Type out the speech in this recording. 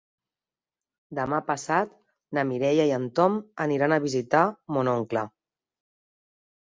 Demà passat na Mireia i en Tom aniran a visitar mon oncle.